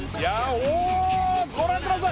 おおご覧ください